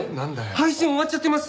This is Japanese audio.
配信終わっちゃってます。